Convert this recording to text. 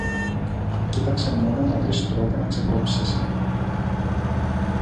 Κοίταξε μόνο να βρεις τρόπο να ξεκόψεις εσύ.